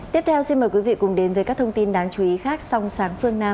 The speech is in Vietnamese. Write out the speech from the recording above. tiếp theo xin mời quý vị cùng đến với các thông tin đáng chú ý khác trong sáng phương nam